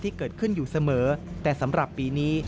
ที่เกิดขึ้นอยู่เสมอแต่สำหรับปีนี้